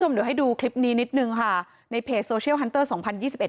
เดี๋ยวให้ดูคลิปนี้นิดนึงค่ะในเพจโซเชียลฮันเตอร์สองพันยี่สิบเอ็